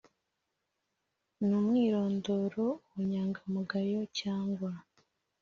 N umwirondoro ubunyangamugayo cyangwa